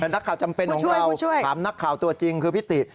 นักข่าวจำเป็นของเราถามนักข่าวตัวจริงคือพี่ติ